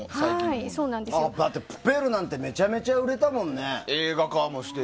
「プペル」なんてめちゃめちゃ売れたもんね。